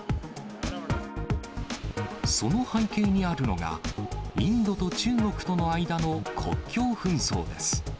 その背景にあるのが、インドと中国との間の国境紛争です。